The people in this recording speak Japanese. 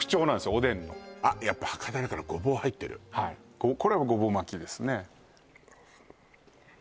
おでんのやっぱ博多だからゴボウ入ってるこれはゴボウ巻きですね